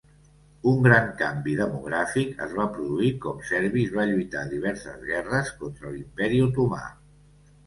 Un gran canvi demogràfic es va produir com serbis va lluitar diverses guerres contra l'Imperi Otomà.